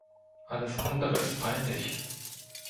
Alles andere ist peinlich.